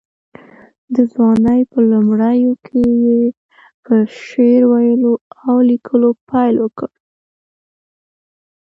د ځوانۍ په لومړیو کې یې په شعر ویلو او لیکوالۍ پیل وکړ.